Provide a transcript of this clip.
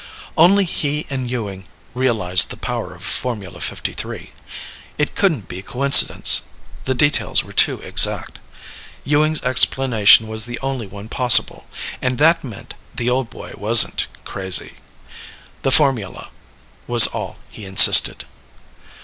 Only he and Ewing realized the power of Formula #53. It couldn't be coincidence. The details were too exact. Ewing's explanation was the only one possible. And that meant the old boy wasn't crazy. The formula was all he insisted.